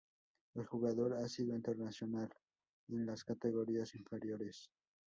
El jugador ha sido internacional en las categorías inferiores.